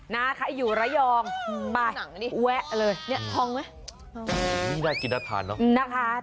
นะคะใกล้กัน